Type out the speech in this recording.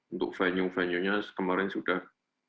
untuk venue venuenya kemarin sudah